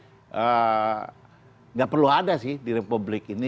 tidak perlu ada sih di republik ini